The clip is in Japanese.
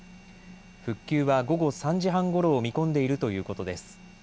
復旧は午後３時半ごろを見込んでいるということです。